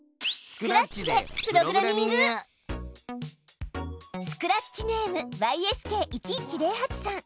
スクラッチネームｙｓｋ１１０８さん。